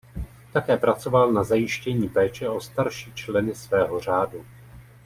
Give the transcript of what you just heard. Také pracoval na zajištění péče o starší členy svého řádu.